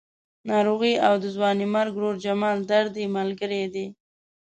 ناروغي او د ځوانې مرګ ورور جمال درد یې ملګري دي.